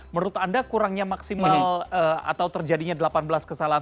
menurut anda kurangnya maksimal atau terjadinya delapan belas kesalahan